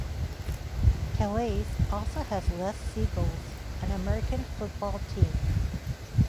Calais also has Les Seagulls, an American football team.